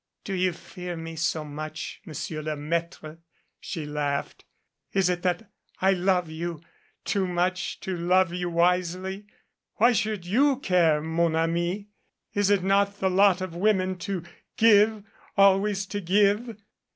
"Do you fear me so much, Monsieur le Maitre?" she laughed. "Is it that I love you too much to love you wisely? Why should you care, mon ami? Is it not the lot of women to give always to give?"